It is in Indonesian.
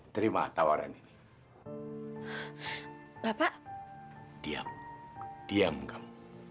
terima tawaran ini bapak diam diam kamu